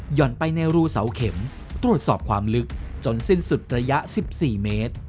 ่อนไปในรูเสาเข็มตรวจสอบความลึกจนสิ้นสุดระยะ๑๔เมตร